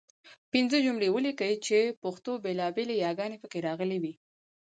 پنځه جملې ولیکئ چې پښتو بېلابېلې یګانې پکې راغلي وي.